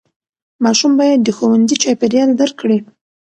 ماشوم باید د ښوونځي چاپېریال درک کړي.